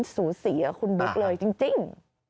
สูสีอ่ะคุณบุ๊คเลยจริง